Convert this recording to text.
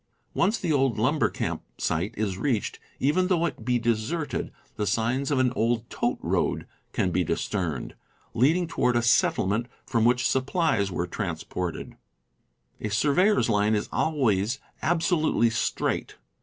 Once the old lumber camp site is reached, even though it be deserted, the signs of an old "tote road" can be discerned, leading toward a settlement from which supplies were transported. .f^ > is always absolutely straight.